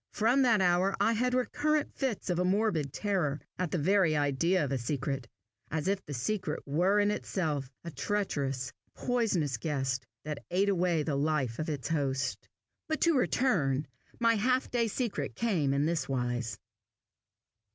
From that hour I had recurrent fits of a morbid terror at the very idea of a secret as if a secret were in itself a treacherous, poisonous guest, that ate away the life of its host. But to return, my half day secret came in this wise.